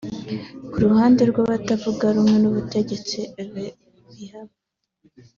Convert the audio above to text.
Ku ruhande rw’abatavugarumwe n’ubutegetsi Eve Bazaïba